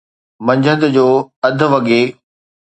منجھند جو اڌ وڳي